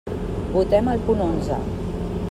Votem el punt onze.